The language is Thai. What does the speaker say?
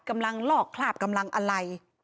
กำลังหลอกขลาบกำลังอะไร